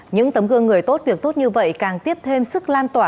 những tấm gương người tốt việc tốt như vậy càng tiếp thêm sức lan tỏa